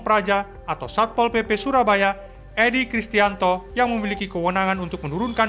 praja atau satpol pp surabaya edi kristianto yang memiliki kewenangan untuk menurunkan